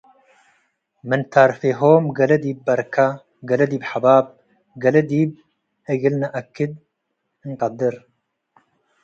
ምን ታርፌሆም ገሌ ዲብ በርከ፡ ገሌ ዲብ ሐባብ፡ ገሌ ዲብ እግል ንአክድ እንቀድር ።